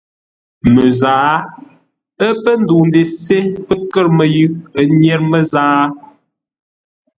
Məzǎa. Ə́ pə́ ndəu ndesé, pə́ kə̂r məyʉʼ, ə́ nyêr məzǎa.